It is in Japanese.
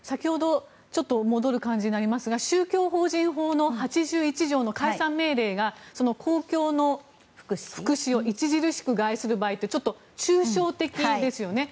ちょっと戻る感じになりますが宗教法人法の８１条の解散命令が公共の福祉を著しく害する場合とちょっと抽象的ですよね。